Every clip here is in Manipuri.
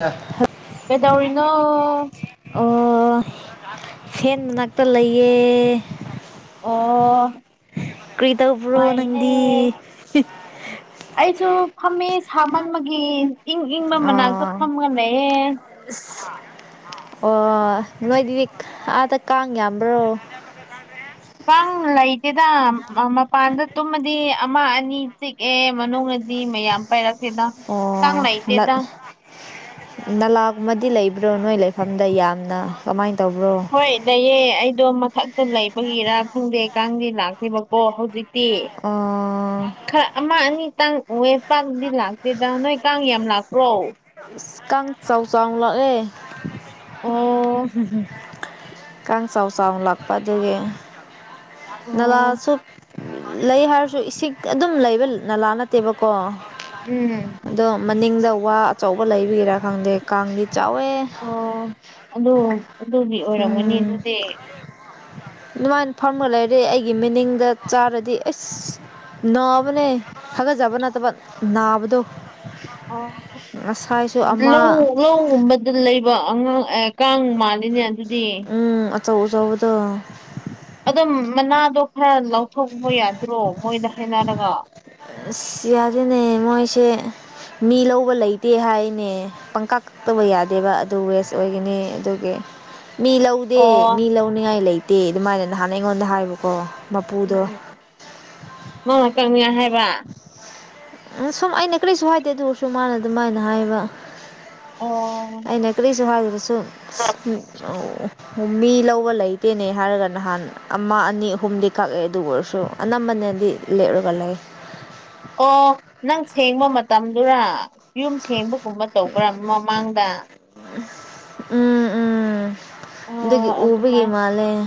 ꯑ ꯀꯩꯗꯧꯔꯤꯅꯣ ꯑꯣ ꯐꯦꯟꯅꯥꯛꯇ ꯂꯩꯌꯦ ꯑꯣ ꯀ꯭ꯔꯤꯇ ꯄꯨ꯭ꯔꯣ ꯅꯪꯗꯤ ꯑꯩꯁꯨꯣ ꯐꯝꯃꯦ ꯁꯥꯃꯟꯕꯒꯤ ꯏꯪ ꯏꯪꯕ ꯃꯅꯥꯛꯇ ꯑꯣ ꯐꯝꯒ ꯂꯩꯌꯦꯦ ꯑꯣ ꯅꯣꯏꯗꯨꯗꯤ ꯑꯥꯗ ꯀꯥꯡ ꯌꯥꯝꯕ꯭ꯔꯣ ꯀꯪ ꯂꯩꯇꯦꯗ ꯃꯄꯥꯟꯗ ꯇꯨꯝꯃꯗꯤ ꯑꯃ ꯑꯅꯤ ꯆꯤꯛꯑꯦ ꯃꯅꯨꯡꯗ ꯗꯤ ꯃꯌꯥꯝ ꯄꯥꯏꯔꯛꯀꯦꯗ ꯍꯛꯀꯥꯡ ꯑꯣ ꯂꯩꯇꯦꯗ ꯅꯂꯥꯒꯨꯝꯕꯗꯤ ꯂꯩꯕ꯭ꯔꯣ ꯅꯣꯏ ꯂꯩꯐꯝꯗ ꯌꯥꯝꯅ ꯀꯃꯥꯏꯅ ꯇꯧ ꯍꯣꯏ ꯂꯩꯑ ꯑꯩꯗꯣ ꯃꯊꯛꯇ ꯂꯩꯕꯒꯤꯔꯥ ꯈꯪꯗꯦ ꯀꯥꯡꯗꯦ ꯂꯥꯛꯇꯦꯕꯀꯣ ꯍꯧꯖꯤꯛ ꯗ ꯑꯣ ꯈꯔ ꯑꯃ ꯑꯅꯤ ꯈꯤꯇꯪ ꯎꯦ ꯄꯥꯟꯗꯤ ꯂꯥꯛꯇꯦꯗ ꯅꯣꯏ ꯀꯥꯡ ꯌꯥꯝ ꯂꯥꯛꯄ꯭ꯔꯣ ꯀꯥꯡ ꯆꯥꯎ ꯆꯥꯎꯅ ꯂꯛꯑꯦ ꯑꯣ ꯀꯥꯡ ꯁꯥꯎ ꯁꯥꯎꯅ ꯂꯥꯛꯄꯗꯨꯒꯤ ꯑꯣ ꯅꯂꯁꯨꯣ ꯂꯩ ꯍꯥꯏꯔꯁꯨ ꯏꯁꯤꯡꯛ ꯑꯗꯨꯝ ꯂꯩꯕ ꯅꯂꯥ ꯅꯠꯇꯦꯕꯀꯣ ꯎꯝ ꯅꯤꯡꯗ ꯋꯥ ꯑꯆꯧꯕ ꯂꯩꯕꯤꯔꯥ ꯈꯪꯗꯦ ꯀꯥꯡꯒꯤ ꯑꯣ ꯑꯗꯨ ꯑꯗꯨꯗꯤ ꯑꯣꯏꯔꯝꯒꯅꯤ ꯑꯗꯨꯗꯤ ꯅꯨꯡꯉꯥꯏꯅ ꯐꯝꯒ ꯂꯩꯔꯦ ꯑꯩꯒꯤ ꯃꯤꯅꯤꯡꯗ ꯆꯥꯔꯗꯤ ꯑꯁ ꯅꯥꯕꯅꯦ ꯊꯒꯠꯆꯕ ꯅꯠꯇꯕ ꯅꯥꯕꯗꯣ ꯑ ꯉꯁꯥꯏꯁꯨ ꯑꯃ ꯂ ꯂꯧꯕꯗꯨ ꯂꯩ ꯑꯉꯥꯡ ꯑꯦ ꯀꯥꯡ ꯃꯥꯜꯂꯤꯅꯦ ꯑꯗꯨꯗꯤ ꯎꯝ ꯑꯆꯧ ꯑꯆꯧꯕꯗ ꯑꯗꯨꯝ ꯃꯅꯥꯗꯣ ꯈꯔ ꯂꯧꯊꯣꯛꯕ ꯌꯥꯗ꯭ꯔꯣ ꯃꯣꯏꯗ ꯍꯥꯏꯅꯔꯒ ꯁꯤ ꯌꯥꯖꯅꯦ ꯃꯣꯏꯁꯦ ꯃꯤ ꯂꯧꯕ ꯂꯩꯇꯦ ꯍꯥꯏꯅꯦ ꯄꯪꯀꯥ ꯀꯛꯇꯕ ꯌꯥꯗꯦꯕ ꯑꯗꯨ ꯋꯦꯁ ꯑꯣꯏꯒꯅꯤ ꯑꯗꯨꯒꯤ ꯃꯤ ꯂꯧꯗꯦ ꯃꯤ ꯑꯣ ꯂꯧꯅꯤꯉꯥꯏ ꯂꯩꯇꯦ ꯑꯗꯨꯃꯥꯏꯅꯅ ꯍꯥꯟꯅ ꯑꯩꯉꯣꯟꯗ ꯍꯥꯏꯕꯀꯣ ꯃꯄꯨꯗꯣ ꯎꯝ ꯃꯥꯅ ꯀꯛꯅꯤꯉ ꯍꯥꯏꯕ ꯎꯝ ꯁꯨꯝ ꯑꯩꯅ ꯀꯔꯤꯁꯨ ꯍꯥꯏꯗꯦ ꯑꯗꯨ ꯑꯣꯏꯔꯁꯨ ꯃꯥꯅ ꯑꯗꯨꯝꯥꯏꯅ ꯍꯥꯏꯕ ꯑꯣ ꯑꯗꯨ ꯃꯤ ꯂꯧꯕ ꯂꯩꯇꯦꯅꯦ ꯍꯥꯏꯔꯒ ꯅꯍꯥꯟ ꯑꯃ ꯑꯅꯤ ꯑꯍꯨꯝꯗꯤ ꯀꯛꯑꯦ ꯑꯗꯨ ꯑꯣꯏꯔꯁꯨ ꯑꯅꯝꯕꯅꯗꯤ ꯂꯩꯔꯒꯒꯤ ꯑꯣ ꯅꯪ ꯁꯦꯡꯕ ꯃꯇꯝꯗꯨꯔ ꯌꯨꯝ ꯁꯦꯡꯕꯒꯨꯝꯕ ꯇꯧꯕ꯭ꯔꯥ ꯃꯃꯥꯡꯗ ꯎꯝ ꯎꯝ ꯑꯣ ꯑꯗꯨꯒꯗꯒꯤ ꯑꯗꯨꯃꯥꯏ ꯑꯣꯕꯒꯤꯃꯂꯦꯥ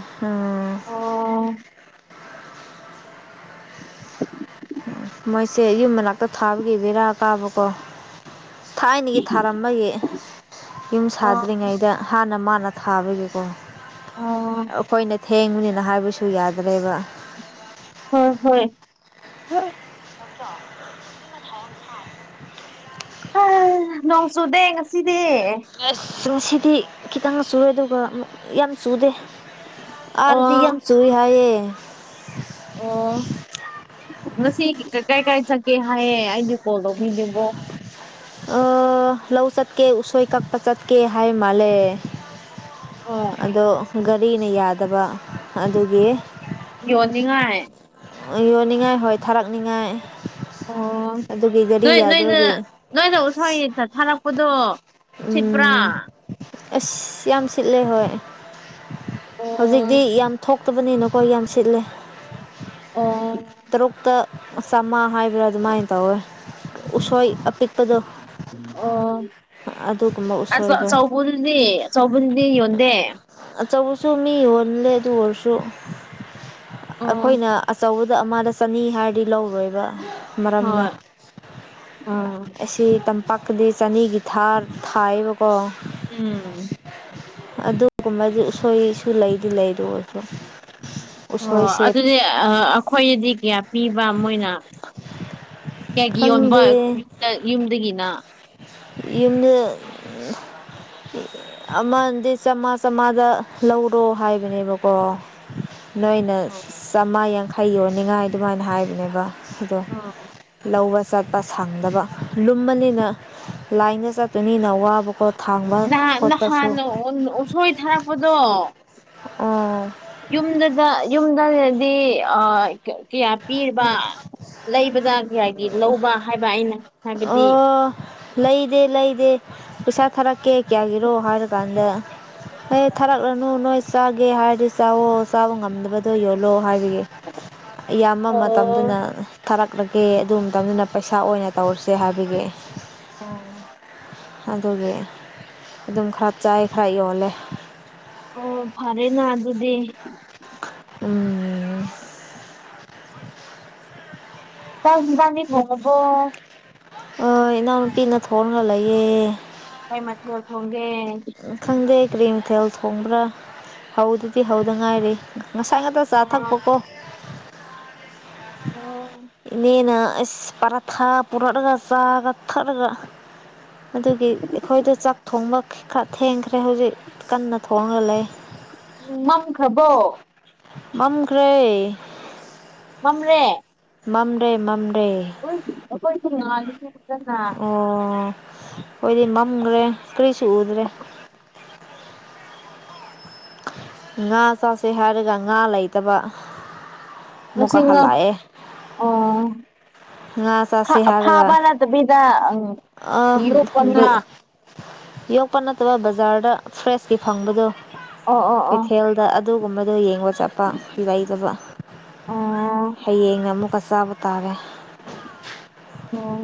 ꯑꯣ ꯃꯣꯏꯁꯦ ꯌꯨꯝ ꯃꯅꯥꯛꯇ ꯊꯥꯕꯒꯤ ꯕꯦꯔꯥ ꯀꯥꯕꯀꯣ ꯊꯥꯏꯅꯒꯤ ꯊꯥꯔꯝꯃꯒꯤ ꯌꯨꯝ ꯑꯥ ꯁꯥꯗ꯭ꯔꯤꯉꯩꯗ ꯍꯥꯟꯅ ꯃꯥꯅ ꯅ ꯊꯥꯕꯒꯤꯀꯣ ꯑꯣ ꯑꯩꯈꯣꯏꯅ ꯊꯦꯡꯕꯨꯅꯤꯅ ꯍꯥꯏꯕꯁꯨ ꯌꯥꯗ꯭ꯔꯦꯕ ꯍ ꯍꯣꯏ ꯍ ꯑ ꯅꯣꯡ ꯁꯨꯗꯦ ꯌꯦ ꯁꯤ ꯑꯁ ꯉꯁꯤꯗꯤ ꯈꯤꯇꯪ ꯆꯨꯔꯦ ꯑꯗꯨꯒ ꯌꯥꯝ ꯆꯨꯗꯦ ꯑꯣ ꯑꯔꯗꯤꯦꯝꯁꯨꯨꯏ ꯍꯥꯏꯑꯌꯦ ꯑꯣ ꯃꯁꯤꯁꯤ ꯀꯥꯏ ꯀꯥꯏ ꯆꯒꯦ ꯍꯥꯏꯑꯦ ꯑꯩꯗꯤ ꯀꯣꯜ ꯂꯧꯕꯤꯅꯤꯡꯕꯣ ꯂꯧ ꯆꯠꯀꯦ ꯎꯁꯣꯏ ꯀꯛꯄ ꯆꯠꯀꯦ ꯍꯥꯏ ꯃꯥꯜꯂꯦ ꯑꯣ ꯑꯗꯣ ꯒꯥꯔꯤꯅ ꯌꯥꯗꯕ ꯑꯗꯨꯒꯤ ꯌꯣꯅꯤꯡꯉ ꯍꯥꯏ ꯌꯣꯟꯅꯤꯡꯉꯥꯏ ꯍꯣꯏ ꯊꯥꯔꯛꯅꯤꯉꯥꯏ ꯑꯣ ꯅꯣꯏ ꯅꯣꯏꯗ ꯅꯣꯏꯅ ꯎꯁꯥ ꯌꯦꯛꯇ ꯊꯥꯔꯛꯄꯗꯣ ꯁꯤꯤꯄ꯭ꯔꯥ ꯎꯝ ꯑꯁ ꯌꯥꯝ ꯁꯤꯠꯂꯦ ꯍꯣꯏ ꯍꯧꯖꯤꯛꯇꯤ ꯑꯣ ꯌꯥꯝ ꯊꯣꯛ ꯀꯛꯇꯕꯅꯤꯅꯀꯣ ꯌꯥꯝ ꯁꯤꯠꯂꯦ ꯑꯣ ꯇꯔꯨꯛꯇ ꯆꯝꯃꯥ ꯍꯥꯏꯕ꯭ꯔꯥ ꯑꯗꯨꯃꯥꯏꯅ ꯇꯧꯋꯦ ꯎꯁꯣꯏ ꯑꯄꯤꯠꯄꯗ ꯑꯣ ꯑ ꯎꯁꯣꯏꯗꯣ ꯑꯆꯧꯕꯗꯨꯗꯤ ꯑꯆꯧꯕꯗꯨꯗꯤ ꯌꯣꯟꯗꯦ ꯑꯆꯧꯕꯁꯨ ꯃꯤ ꯌꯣꯜꯂꯦ ꯑꯗꯨ ꯑꯣꯏꯔꯁꯨ ꯑꯣ ꯑꯩꯈꯣꯏꯅ ꯑꯆꯧꯕ ꯑꯗ ꯑꯃꯗ ꯆꯅꯤ ꯍꯥꯏꯔꯗꯤ ꯂꯧꯔꯣꯏꯕ ꯃꯔꯝꯗ ꯍꯣꯏ ꯑꯥ ꯑꯁꯤ ꯄꯛꯗ ꯆꯅꯤꯒꯤ ꯊꯥꯔ ꯊꯥꯏꯕ ꯎꯝ ꯑꯗꯨꯒꯨꯝꯕꯗꯨꯁꯣꯏꯁꯨ ꯂꯩ ꯑꯗꯨ ꯑꯣꯏꯔꯁꯨ ꯑꯣ ꯎꯁꯣꯏꯁꯦ ꯑꯗꯨꯗꯤ ꯑꯩꯈꯣꯏꯅꯗꯤ ꯀꯌꯥ ꯄꯤꯕ ꯃꯣꯏꯅ ꯀꯌꯥꯒꯤ ꯌꯣꯟꯕ ꯈꯪꯗꯦ ꯌꯗ ꯌꯨꯝꯗꯒꯤꯅ ꯌꯅ ꯑꯃꯗꯤ ꯆꯥꯝꯃꯉꯥ ꯆꯥꯝꯃꯉꯥꯗ ꯂꯧꯔꯣ ꯍꯥꯏꯕꯅꯦꯕꯀꯣ ꯅꯣꯏꯅ ꯑ ꯆꯥꯝꯃꯥ ꯌꯥꯡꯈꯩ ꯌꯣꯟꯅꯤꯡꯉꯥꯏ ꯑꯗꯨꯃꯥꯏꯅ ꯍꯥꯏꯕꯅꯦꯕ ꯑꯗꯣ ꯂꯧꯕ ꯆꯠꯄ ꯁꯪꯗꯕ ꯂꯨꯝꯃꯅꯤꯅ ꯂꯥꯏꯅ ꯆꯠꯄ ꯑꯅꯤ ꯅꯋꯥ ꯕꯨꯛꯗ ꯅꯍꯥꯟ ꯅꯍꯥꯟ ꯎꯁꯣꯏ ꯊꯥꯔꯛꯄꯗꯣ ꯑꯣ ꯌꯨꯝꯗꯗ ꯌꯨꯝꯗꯗꯤ ꯀꯌꯥ ꯄꯤꯔꯤꯕ ꯂꯩꯕꯗ ꯀ ꯍꯥꯏꯒꯤ ꯂꯧꯕ ꯍꯥꯏꯕ ꯑꯩꯅ ꯍꯥꯏꯕꯗꯤ ꯑꯣ ꯂꯩꯗꯦ ꯂꯩꯗꯦ ꯄꯩꯁꯥ ꯊꯥꯔꯛꯀꯦ ꯀꯌꯥꯒꯤꯔꯣ ꯍꯥꯏꯔꯀꯥꯟꯗ ꯍ ꯊꯥꯔꯛꯂꯅꯨ ꯅꯣꯏ ꯆꯥꯒꯦ ꯍꯥꯏꯔꯗꯤ ꯆꯥꯋꯣ ꯆꯥꯕ ꯉꯝꯗꯕꯗꯣ ꯌꯣꯜꯜꯂꯤ ꯂꯣ ꯍꯥꯏꯕꯒꯤ ꯏꯌꯥꯝꯕ ꯃꯇꯝꯗꯨꯅ ꯑꯣ ꯊꯥꯔꯛ ꯀꯛꯂꯒꯦ ꯑꯗꯨ ꯃꯇꯝꯗꯨꯅ ꯄꯩꯁꯥ ꯑꯣꯏꯅ ꯇꯧꯔꯁꯦ ꯍꯥꯏꯕꯤꯒ ꯑꯩ ꯑꯝ ꯑꯗꯨꯒꯤ ꯑꯗꯨꯝ ꯈꯔ ꯆꯥꯏ ꯈꯔ ꯌꯣꯜꯂꯦ ꯑꯣ ꯐꯔꯦꯅ ꯑꯗꯨꯗꯤ ꯎ ꯇ ꯏꯒꯥꯅꯤ ꯍꯣꯕꯣ ꯑ ꯏꯅꯥꯎꯅꯨꯄꯤꯅ ꯊꯣꯡꯒ ꯂꯩꯌꯦꯦ ꯀꯩ ꯃꯊꯦꯜ ꯊꯣꯡꯒꯦ ꯈꯪꯗꯦ ꯀ꯭ꯔꯤꯝꯊꯦꯜ ꯊꯣꯡꯕ꯭ꯔꯥ ꯍꯧꯗꯨꯗꯤ ꯍꯧꯗ ꯉꯥꯏꯔꯦ ꯉꯁꯥꯏ ꯉꯥꯛꯇ ꯆꯥ ꯑꯥ, ꯊꯛꯄꯀꯣ ꯑꯣ ꯏꯅꯦꯅ ꯑꯁ ꯄꯔꯥꯊꯥ ꯄꯨꯔꯛꯂꯒ ꯆꯥꯒ ꯊꯛꯂꯒ ꯑꯗꯨꯒꯤ ꯑꯩꯈꯣꯏꯗ ꯆꯥꯛ ꯊꯣꯡꯕ ꯈꯔ ꯊꯦꯡꯈ꯭ꯔꯦ ꯍꯧꯖꯤꯛ ꯀꯟꯅ ꯊꯣꯡꯒ ꯂꯩ ꯎ ꯃꯝ ꯈꯕꯣ ꯃꯝꯈ꯭ꯔꯩ ꯃꯝꯔꯦ ꯃꯝꯗꯦ ꯃꯝ ꯣꯏꯣꯏ ꯐꯃ ꯑꯣ ꯑꯩꯣꯏꯗꯤ ꯃꯝꯈ꯭ꯔꯦ ꯀꯔꯤꯁꯨ ꯎꯗ꯭ꯔꯦ ꯉꯥ ꯆꯥꯁꯦ ꯍꯥꯏꯔꯒ ꯉꯥ ꯂꯩꯇꯕ ꯉꯁꯤ ꯃꯀꯥ ꯉꯥ ꯍꯥꯜꯂꯥꯛꯑꯌꯦ ꯑꯣ ꯉꯥꯁ ꯐꯥ- ꯁꯤꯌꯥꯔꯒ ꯐꯥꯕ ꯅꯠꯇꯕꯤꯗ ꯎꯝ ꯑ ꯌꯣꯛꯄ ꯉꯥ ꯌꯣꯒ ꯄꯥ ꯇꯕ ꯕꯖꯥꯔꯗ ꯐ꯭ꯔꯦꯁꯀꯤ ꯐꯪꯕꯗꯣ ꯑꯣ ꯑꯣ ꯑꯣ ꯀꯩꯊꯦꯜꯗ ꯑꯗꯨꯒꯨꯝꯕ ꯑꯗꯨꯗꯣ ꯌꯦꯡꯕ ꯆꯠꯄ ꯂꯩꯇꯕ ꯑ ꯍꯌꯦꯡꯅ ꯑꯃꯨꯛꯀ ꯁ ꯇꯥꯔꯦ ꯑꯣ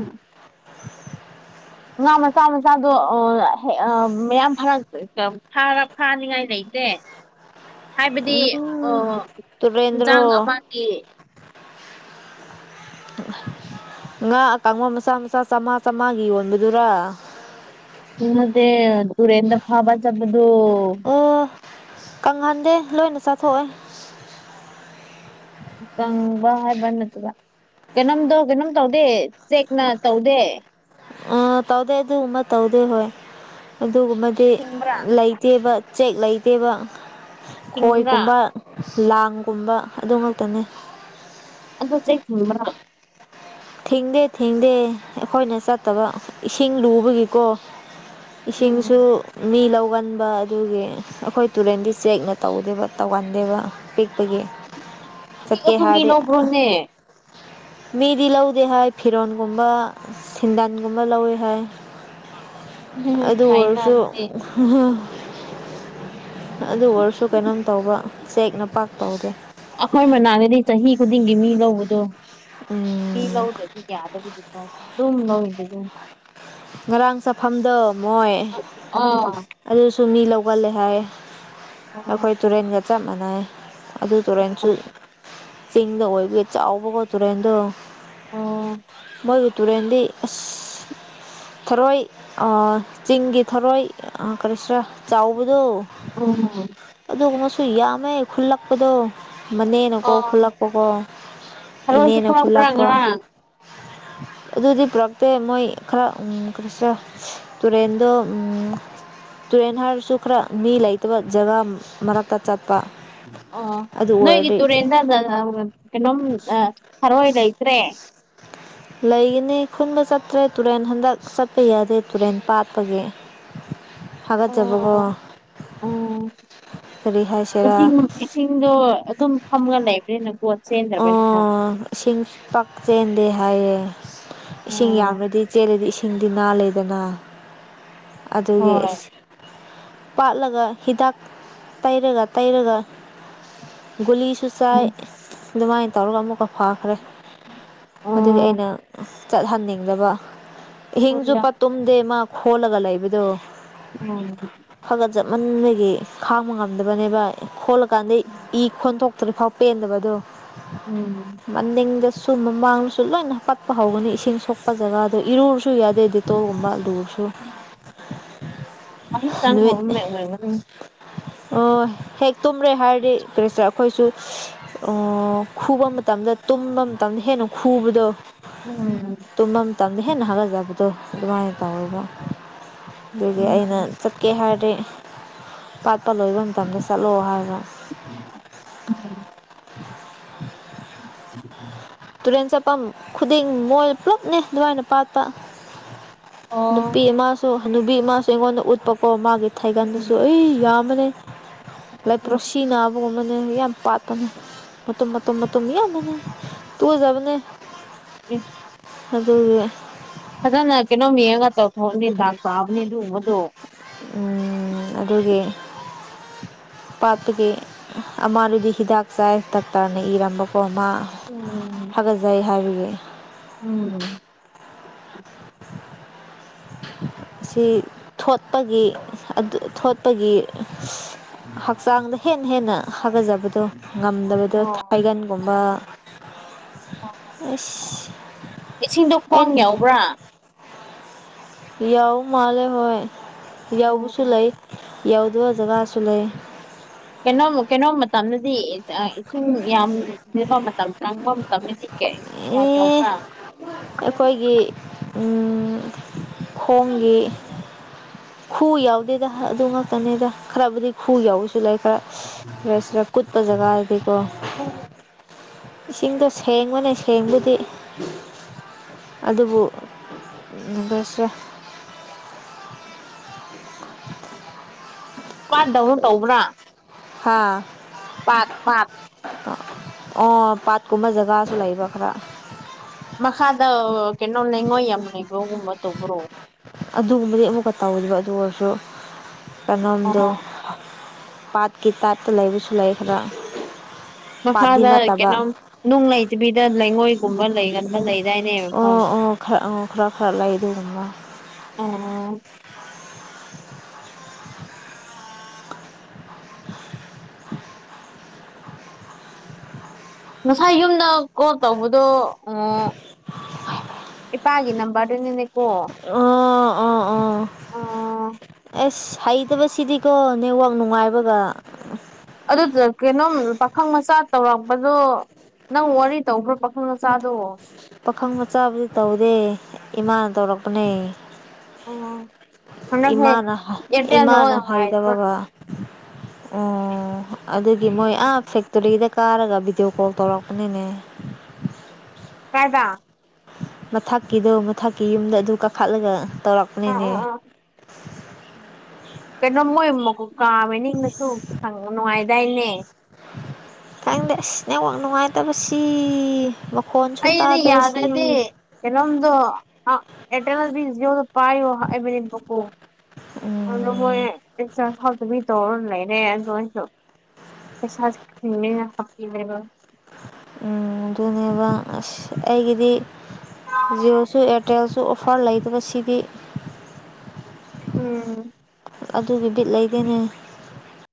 ꯉꯥ ꯃꯆꯥ ꯃꯆꯥꯗꯣꯦꯛ ꯃꯌꯥꯝ ꯐꯔ ꯔ ꯐꯥꯅꯤꯡꯉꯥꯏ ꯂꯩꯇꯦ ꯍꯥꯏꯕꯗꯤ ꯑꯣ ꯎꯝ ꯌꯦꯟꯁꯥꯡ ꯇꯨꯔꯦꯟꯗ꯭ꯔꯣ ꯑꯃꯒꯤ ꯑꯗꯨꯒ ꯉꯥ ꯀꯥꯡ ꯃꯆꯥ ꯃꯆꯥ ꯆꯝꯃꯥ ꯆꯥꯝꯃꯉꯥꯒꯤ ꯌꯣꯟꯕꯗꯨꯔ ꯍ ꯃꯗꯦ ꯇꯗꯨꯔꯦꯟꯟ꯭ꯔ ꯐꯥꯕ ꯆꯕꯗꯨ ꯑꯣ ꯀꯪꯍꯟꯗꯦ ꯂꯣꯏꯅ ꯆꯥꯊꯣꯛꯑꯣꯏ ꯄꯪꯕ ꯍꯥꯏꯦꯕꯅ ꯇꯒ ꯀꯩꯅꯣꯝꯗꯣ ꯀꯩꯅꯣꯝ ꯇꯧꯗꯦ ꯆꯦꯛꯅ ꯇꯧꯗꯦ ꯑ ꯇꯧꯗꯦ ꯑꯗꯨꯒꯨꯝꯕ ꯇꯧꯗꯦ ꯍꯣꯏ ꯑꯗꯨꯒꯨꯝꯕꯗꯤ ꯊꯤꯡꯕ꯭ꯔꯥ ꯂꯩꯇꯦꯕ ꯆꯦꯛ ꯂꯩꯇꯦꯕ ꯊꯤꯡꯕ꯭ꯔꯥ ꯈꯣꯏꯒꯨꯝꯕ ꯂꯥꯡꯒꯨꯝꯕ ꯑꯗꯨꯃꯛꯇꯅꯤ ꯑꯗꯣ ꯆꯦꯛꯕ꯭ꯔ ꯊꯦꯡꯗꯦ ꯊꯦꯡꯗꯦ ꯑꯩꯈꯣꯏꯅ ꯆꯠꯇꯕ ꯏꯁꯤꯡ ꯂꯨꯕꯒꯤꯀꯣ ꯎꯝ ꯏꯁꯤꯡꯁꯨ ꯃꯤ ꯂꯧ ꯇꯧꯒꯟꯕ ꯑꯗꯨꯒꯤ ꯑꯩꯈꯣꯏ ꯇꯨꯔꯦꯟꯗꯤ ꯆꯦꯛꯅ ꯇꯧꯗꯦꯕ ꯇꯧꯒꯟꯗꯦꯕ ꯄꯤꯛꯄꯒꯤ ꯆꯠꯀꯦ ꯄꯤꯛꯑꯁꯨ ꯃꯤ ꯍꯥꯔꯦ ꯂꯧꯕ꯭ꯔꯣꯅꯦ ꯃꯤꯗꯤ ꯂꯧꯗꯦ ꯍꯥꯏ ꯐꯤꯔꯣꯟꯒꯨꯝꯕ ꯁꯟꯗꯟꯒꯨꯝꯕ ꯂꯧꯋꯦ ꯍꯥꯏ ꯎꯝ ꯑꯗꯨ ꯐꯩꯅ ꯑꯣꯏꯔꯁꯨ ꯑꯗꯨꯗꯤ ꯑꯗꯨ ꯑꯣꯏꯔꯁꯨ ꯀꯩꯅꯣꯝ ꯇꯧꯕ ꯆꯦꯛ ꯅꯄꯥꯛꯥꯛ ꯇꯧꯒꯦ ꯑꯩꯈꯣꯏ ꯃꯅꯥꯗꯗꯤ ꯆꯍꯤ ꯈꯨꯗꯤꯡꯒꯤ ꯃꯤ ꯂꯧꯕꯗꯣ ꯄꯤ ꯎꯝ ꯂꯗ ꯊꯤ ꯀꯗ ꯂ ꯅꯗ ꯉꯔꯥꯡ ꯆꯐꯝꯐꯝꯗ ꯃꯣꯏ ꯑꯥ ꯑꯗꯨꯁꯨ ꯃꯤ ꯂꯧꯒꯜꯂꯦ ꯍꯥꯏ ꯑꯩꯈꯣꯏ ꯇꯨꯔꯦꯟꯒ ꯆꯞ ꯃꯥꯟꯅꯩ ꯑꯗꯨ ꯇꯨꯔꯦꯟꯁꯨ ꯆꯤꯡꯗ ꯑꯣꯏꯕꯒꯤ ꯆꯥꯎꯕꯒꯣ ꯇꯨꯔꯦꯟꯗꯣ ꯑꯣ ꯃꯗꯨ ꯇꯨꯔꯦꯟꯗꯤ ꯑ ꯊꯔꯣꯏ ꯆꯤꯡꯒꯤ ꯊꯔꯣꯏ ꯀꯔꯤꯁꯔꯥ ꯆꯥꯎꯕꯗꯣ ꯎꯝ ꯑꯗꯨꯒ ꯁꯨ ꯌꯥꯝꯃꯦ ꯈꯨꯜꯂꯛꯄꯗꯣ ꯃꯅꯦꯅꯀꯣ ꯑꯣ ꯈꯨꯜꯂꯛꯄꯀꯣ ꯊꯔꯣꯏꯁꯨ ꯏꯅꯦꯅ ꯄꯨꯔꯛꯄ꯭ꯔꯥ ꯈꯨꯜꯂꯛꯄ ꯉꯔꯥꯡ ꯑꯗꯨꯗꯤ ꯄ꯭ꯔꯛꯦ ꯃꯣꯏ ꯈꯔ ꯀꯁ ꯇꯨꯔꯦꯟꯗ ꯇꯨꯔꯦꯟ ꯍꯥꯏꯔꯁꯨ ꯈꯔ ꯃꯤ ꯂꯩꯇꯕ ꯖꯒꯥ ꯃꯔꯛꯇ ꯆ ꯑꯣ ꯅꯣꯏꯒꯤ ꯇꯨꯔꯦꯟ ꯀꯩꯅꯣꯝ ꯐꯔꯣꯏ ꯂꯩꯇ꯭ꯔꯦ ꯂꯩꯒꯅꯤ ꯈꯨꯟꯕ ꯆꯠꯇ꯭ꯔꯦ ꯇꯨꯔꯦꯟ ꯍꯟꯗꯛ ꯆꯠꯄ ꯌꯥꯗꯦ ꯇꯨꯔꯦꯟ ꯄꯥꯠꯄꯒꯤ ꯐꯀꯠ ꯆꯕꯒꯣ ꯑꯣ ꯎꯝ ꯏꯁꯤꯡ ꯏꯁꯤꯡꯗꯣ ꯑꯗꯨꯝ ꯐꯝꯒ ꯂꯩꯕ꯭ꯔꯦ ꯅꯪ ꯑꯣ ꯁꯤꯤꯡ ꯄꯛꯆꯦ ꯦ ꯍꯥꯏꯌꯦꯦ ꯏꯁꯤꯡ ꯑꯣ ꯌꯥꯝꯂꯗꯤ ꯆꯦꯜꯂꯗꯤ ꯏꯁꯤꯡꯗꯤ ꯅꯥ ꯂꯩꯗꯅ ꯑꯗꯨꯒꯤ ꯍꯣꯏ ꯄꯥꯠꯂꯒ ꯍꯤꯗꯥꯛ ꯇꯩꯔꯒ ꯇꯩꯔꯒ ꯒꯨꯂꯤꯁꯨ ꯆꯥꯏ ꯎꯝ ꯑꯗꯨꯃꯥꯏꯅ ꯇꯧꯔꯒ ꯑꯃꯨꯛꯀ ꯐꯈ꯭ꯔꯦ ꯑꯗꯨꯗꯤ ꯑꯣ ꯑꯩꯅ ꯆꯠꯍꯟꯅꯤꯡꯗꯕ ꯍꯤꯡꯁꯨ ꯄ ꯇꯨꯝꯗꯦ ꯃꯥ ꯈꯣꯜꯂꯒ ꯂꯩꯕꯗꯣ ꯎꯝ ꯃꯒꯤ ꯈꯥꯡꯕ ꯉꯝꯗꯕꯅꯦꯕ ꯈꯣꯠꯂꯀꯥꯟꯗ ꯏ ꯈꯣꯟꯊꯣꯛꯇ꯭ꯔꯤꯐꯥꯎ ꯄꯦꯟꯗꯕꯗꯣ ꯎꯝ ꯃꯅꯤꯡꯗ ꯁꯨꯝ ꯃꯃꯥꯡꯗꯁꯨ ꯂꯣꯏꯅ ꯍꯥꯀꯠꯄ ꯍꯧꯒꯅꯤ ꯏꯁꯤꯡ ꯁꯣꯛꯄ ꯖꯒꯥꯗꯣ ꯏꯔꯨꯔꯁꯨ ꯌꯥꯗꯦ ꯗꯦꯇꯣꯒꯨꯝꯕ ꯑꯗꯨꯒ ꯋꯥ ꯆ ꯅꯨꯃꯤꯠ ꯃꯅꯤ ꯍꯦꯛ ꯇꯨꯝꯔꯦ ꯍꯥꯏꯔꯗꯤ ꯀꯔꯤꯁꯦ ꯑꯩꯈꯣꯏꯁꯨ ꯈꯨꯕ ꯃꯇꯝꯗ ꯇꯨꯝꯕ ꯃꯇꯝꯗ ꯍꯦꯟꯅ ꯈꯨꯕꯗꯣ ꯎꯝ ꯇꯨꯝꯕ ꯇꯝꯅ ꯍꯦꯟꯅ ꯍꯜꯂꯖꯕꯗꯣ ꯑꯗꯨꯃꯥꯏꯅ ꯇꯧꯋꯦꯕ ꯑꯗꯨꯒꯤ ꯑꯩꯅ ꯎꯝ ꯆꯠꯀꯦ ꯍꯥꯏꯔꯗꯤ ꯄꯥꯠꯄ ꯂꯣꯏꯕ ꯃꯇꯝꯗ ꯆꯠꯂꯣ ꯍꯥꯏꯕꯣ ꯎꯝ [unintelligible] ꯎꯝ ꯎꯝ ꯎꯝ ꯇꯨꯔꯦꯟ ꯆꯠꯐꯝ ꯈꯨꯗꯤꯡ ꯃꯣꯏ ꯄꯨꯂꯞꯅꯦ ꯑꯗꯨꯃꯥꯏꯅ ꯄꯥ ꯑꯣ ꯅꯨꯄꯤ ꯑꯃꯃꯁꯨ ꯅꯨꯄꯤꯃꯁꯨ ꯑꯩꯉꯣꯟꯗ ꯎꯠꯄꯀꯣ ꯃꯥꯒꯤ ꯎꯝ ꯊꯥꯏꯒꯥꯟꯗꯁꯨ ꯑꯩ ꯌꯥꯝ ꯃ ꯂꯥꯏ ꯎꯝ ꯄ꯭ꯔꯣꯁꯤꯅꯕꯕꯨ ꯃ ꯌꯥꯝ ꯄꯥꯇꯅ ꯃꯇꯨꯝ ꯃꯇꯨꯝ ꯌꯦꯗꯅ ꯇꯨꯖꯕꯅꯦ ꯎꯝ ꯍꯥꯏꯖ ꯄꯥꯕꯅꯦ ꯑꯗꯨ ꯃꯗꯣ ꯑꯗꯨꯒꯤ ꯄꯥꯠꯇꯒꯤ ꯑꯃꯥꯔꯗꯤ ꯍꯤꯗꯥꯛ ꯆꯥꯏ ꯗꯥꯛꯇꯔꯅ ꯏꯔꯝꯕꯀꯣ ꯑꯃ ꯎꯝ ꯐꯒꯠꯆꯩ ꯍꯥꯏꯕꯒꯤ ꯎꯝ ꯁꯤ ꯊꯣꯠꯄꯒꯤ ꯊꯣꯠꯄꯒꯤ ꯍꯛꯆꯥꯡꯗ ꯍꯦꯟꯅ ꯍꯦꯟꯅ ꯍꯥꯒꯠꯖꯕꯗꯣ ꯉꯝꯗꯕꯗꯣ ꯑꯣ ꯊꯥꯏꯒꯟꯒꯨꯝꯕ ꯏꯁꯤꯡꯗꯣ ꯑ ꯈ꯭ꯋꯥꯡ ꯌꯥꯎꯕ꯭ꯔꯥ ꯌꯥꯎ ꯃꯥꯂꯦ ꯍꯣꯏ ꯌꯥꯎꯁꯨ ꯑꯣ ꯂꯩ ꯌꯥꯎꯗꯣ ꯖꯒꯥ ꯑꯁ ꯂꯩꯦ ꯀꯩꯅꯣꯝ ꯀꯩꯅꯣꯝ ꯃꯇꯝꯗꯗꯤ ꯏꯁꯤꯡ ꯌꯥꯝꯕ ꯃꯇꯝ ꯆꯪꯕ ꯃꯇꯝꯗꯗꯤ ꯀ ꯑꯦ ꯌꯥꯎꯅ ꯑꯩꯈꯣꯏꯒꯤ ꯈꯣꯣꯡꯒꯤ ꯈꯨꯎ ꯌꯥꯎꯗꯦꯗ ꯑꯗꯨ ꯉꯥꯛꯇꯅꯤꯗ ꯈꯔꯕꯨꯗꯤ ꯈꯨꯎ ꯌꯥꯎꯁꯤ ꯁꯤꯂꯥꯏ ꯈꯔꯁꯤꯔ ꯀꯨꯠꯄ ꯖꯒꯥ ꯍꯥꯏꯗꯤꯀꯣ ꯏꯁꯤꯡꯗꯣ ꯁꯦꯡꯕꯅꯦ ꯁꯦꯡꯕꯨꯗꯤ ꯑꯗꯨꯕꯨ ꯁꯦ ꯄꯥꯟꯗꯧꯅ ꯇꯧꯕ꯭ꯔꯥ ꯍꯥꯥ ꯄꯥꯠ ꯄꯥꯠ ꯑꯣ ꯄꯥꯠꯀꯨꯝꯕ ꯖꯒꯥꯁꯨ ꯂꯩꯕ ꯈꯔ ꯃꯈꯥꯗ ꯀꯩꯅꯣ ꯂꯩꯉꯣꯏ ꯌꯥꯝ ꯂꯩꯕꯣꯒꯨꯝꯕ ꯇꯧꯕꯧꯕ꯭ꯔꯣ ꯑꯗꯨꯒꯨꯝꯕꯗꯤ ꯑꯃꯨꯛꯀ ꯇꯧꯈꯤꯕ ꯑꯗꯨ ꯑꯣꯏꯔꯁꯨ ꯀꯩꯅꯣꯝꯗꯨ ꯑꯣ ꯄꯥꯠꯀꯤ ꯇꯥꯠꯇ ꯂꯩꯕꯁꯨ ꯂꯩꯈ꯭ꯔꯥ ꯃꯈꯥꯗ ꯀꯩꯅꯣꯝ ꯅꯨꯡ ꯂꯩꯇꯕꯤꯗ ꯂꯩꯉꯣꯏꯒꯨꯝꯕ ꯂꯩꯒꯟꯕ ꯂꯩ ꯑꯣ ꯑꯣꯔ ꯑꯣ ꯈꯔꯥ ꯈꯔꯥ ꯂꯥꯏ ꯑꯗꯨꯨꯝꯕ ꯑ ꯑ [unintelligible] ꯉꯁꯥꯏ ꯌꯨꯝꯗ ꯀꯣꯜ ꯇꯧꯕꯗꯣ ꯏꯄꯥꯒꯤ ꯅꯝꯕ ꯕꯥꯔꯅꯅꯤꯀꯣ ꯑꯥ ꯑꯥ ꯑꯦꯁ ꯍꯩꯇꯕꯁꯤꯗꯤꯀꯣ ꯅꯦꯠꯋꯥꯛ ꯅꯨꯡꯉꯥꯏꯕꯒ ꯑꯗꯨꯗꯨꯅ ꯀꯩꯅꯣꯝ ꯄꯥꯈꯪ ꯃꯆꯥ ꯇꯧꯔꯛꯄꯗꯣ ꯅꯪ ꯋꯥꯔꯤ ꯇꯧꯕ꯭ꯔꯥ ꯄꯥꯈꯪ ꯃꯆꯥꯗꯣ ꯄꯥꯈꯪ ꯃꯆꯥꯕꯨꯗꯤ ꯇꯧꯗꯦ ꯏꯃꯥꯅ ꯇꯧꯔꯛꯄꯅꯦ ꯎꯝ ꯍꯟꯗꯛꯁꯦ ꯏꯃꯥꯅ ꯑꯦꯌꯥꯔꯇꯦꯜꯗ ꯏꯃꯥꯅ ꯑꯣꯏꯅ ꯉꯥꯏꯕ ꯍꯩꯗꯕꯒ ꯑꯣ ꯑꯗꯨꯒꯤ ꯃꯣꯏ ꯑꯥ ꯐꯦꯛꯇꯣꯔꯤꯗ ꯀꯥꯔꯒ ꯚꯤꯗꯤꯑꯣ ꯀꯣꯜ ꯇꯧꯔꯛꯄꯅꯤꯅꯦ ꯑ ꯃꯊꯛꯀꯤꯗꯣ ꯃꯊꯛꯀꯤ ꯌꯨꯝꯗ ꯑꯗꯨ ꯀꯥꯈꯠꯂꯒ ꯑ ꯇꯧꯔꯛꯄꯅꯤꯅꯦ ꯑ ꯑ ꯀꯩꯅꯣ ꯃꯣꯏꯨ ꯀꯥꯕ ꯅꯤꯡꯅꯁꯨ ꯁꯪ ꯅꯨꯡꯉꯥꯏꯗꯥꯏꯅꯦ ꯈꯪꯗꯦ ꯑꯁ ꯅꯦꯛꯋꯥꯛ ꯅꯨꯡꯉꯥꯏꯇꯕꯁꯤ ꯃꯈꯣꯟꯁꯨ ꯑꯩꯗꯤ ꯌꯥꯗ ꯇꯥꯗꯕꯁꯤ ꯑꯗꯤ ꯏꯂꯣꯗꯣ ꯑꯦꯇ ꯄꯥꯏꯌꯣ ꯑꯩꯕꯗꯤꯕꯀꯣ ꯑꯗꯨꯗꯣ ꯎꯝ ꯃꯣꯏꯁ ꯍꯥꯎꯗꯕꯤ ꯇꯧ ꯂꯩꯔꯦ ꯑꯗꯨꯗꯁꯨ ꯄꯩꯁꯅ ꯍꯥꯞꯄꯤꯅꯦꯕ ꯎ ꯑꯗꯨꯅꯦꯕ ꯑꯁ ꯑꯩꯒꯤꯗꯤ ꯖꯤꯑꯣꯁꯨ ꯑꯦꯌꯥꯔꯇꯦꯜꯁꯨ ꯑꯣꯐꯔ ꯂꯩꯇꯕꯁꯤꯗꯤ ꯎꯝ ꯑꯗꯨꯒꯤ ꯕꯤꯠ ꯂꯩꯗꯅꯦ